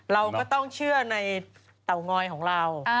เราก็ต้องเชื่อในเตางอยของเรา